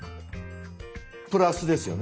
プラスですよね？